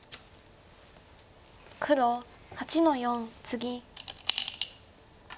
黒８の四ツギ。